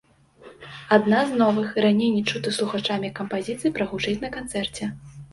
Адна з новых, раней не чутых слухачамі кампазіцый, прагучыць на канцэрце.